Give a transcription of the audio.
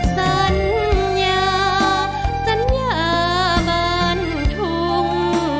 สัญญาสัญญาบ้านทุ่ง